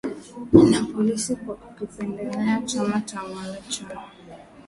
na polisi kwa kukipendelea chama tawala cha